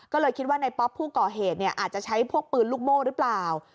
ก็เลยคิดว่าในป๊อปผู้ก่อเหตุอาจจะใช้พวกปืนลูกโม่หรือเปล่า